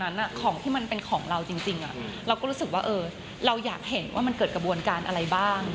ของที่มันเป็นของเราจริงเราก็รู้สึกว่าเราอยากเห็นว่ามันเกิดกระบวนการอะไรบ้าง